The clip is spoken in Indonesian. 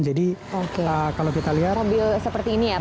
jadi kalau kita lihat mobil seperti ini ya pak ya